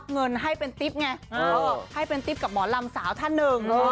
เงินให้เป็นติ๊บไงให้เป็นติ๊บกับหมอลำสาวท่านหนึ่ง